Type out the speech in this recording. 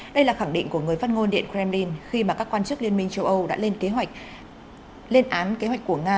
đây là khẳng định của người phát ngôn điện kremlin khi mà các quan chức liên minh châu âu đã lên án kế hoạch của nga